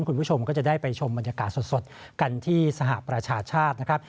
คุณผู้ชมก็จะได้ไปชมบรรยากาศสดกันที่สหประชาชาตินะครับ